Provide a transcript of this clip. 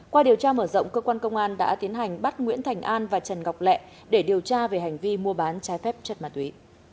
qua điều tra mở rộng cơ quan công an đã tiến hành bắt nguyễn thành an và trần ngọc lẹ để điều tra về hành vi mua bán trái phép chất ma túy